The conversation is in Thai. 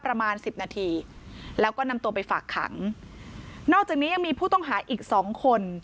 ประมาณสิบนาทีแล้วก็นำตัวไปฝากขังนอกจากนี้ยังมีผู้ต้องหาอีกสองคน